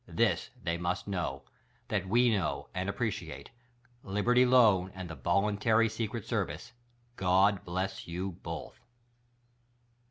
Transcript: This they must know: That we know, and appreciate. Libertv Loan and the Voluntary Secret Service — God Bless You Both